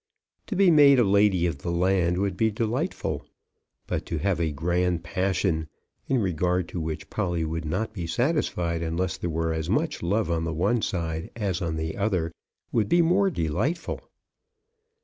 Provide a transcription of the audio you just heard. To be made a lady of the land would be delightful; but to have a grand passion, in regard to which Polly would not be satisfied unless there were as much love on one side as on the other, would be more delightful.